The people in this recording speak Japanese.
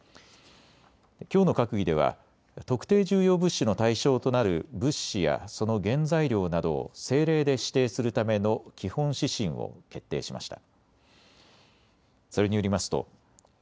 きょうの閣議では特定重要物資の対象となる物資やその原材料などを政令で指定するための基本指針を決定しました。